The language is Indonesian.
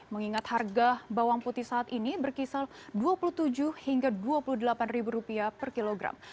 mengingat harga bawang putih saat ini berkisar dua puluh tujuh hingga dua puluh delapan ribu rupiah per kilogram